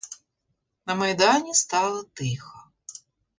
На майдані стало тихо.